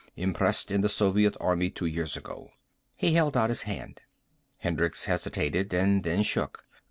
Impressed in the Soviet Army two years ago." He held out his hand. Hendricks hesitated and then shook.